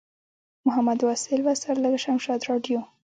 محمد واصل وصال له شمشاد راډیو.